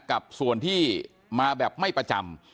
กับส่วนที่มาแบบไม่ประจำ